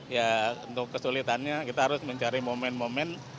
ya untuk kesulitannya kita harus mencari momen momen